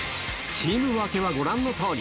チーム分けはご覧のとおり。